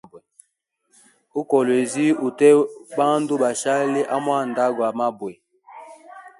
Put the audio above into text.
U kolwezi ute bandu bashali amwanda gwa mabwe.